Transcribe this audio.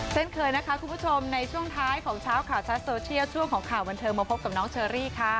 เช่นเคยนะคะคุณผู้ชมในช่วงท้ายของเช้าข่าวชัดโซเชียลช่วงของข่าวบันเทิงมาพบกับน้องเชอรี่ค่ะ